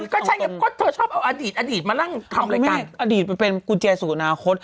ก็ใช่ก็เธอชอบเอาอดีตอดีตมานั่งทำอะไรกันอดีตมันเป็นกุญแจสุขนาคต